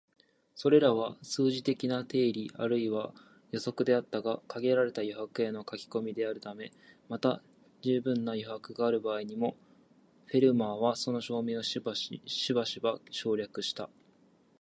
それらは数学的な定理あるいは予想であったが、限られた余白への書き込みであるため、また充分な余白がある場合にも、フェルマーはその証明をしばしば省略した